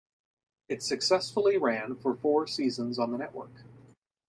It successfully ran for four seasons on the network.